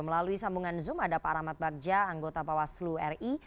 melalui sambungan zoom ada pak rahmat bagja anggota bawaslu ri